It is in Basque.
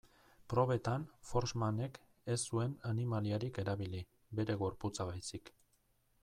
Probetan, Forssmanek ez zuen animaliarik erabili, bere gorputza baizik.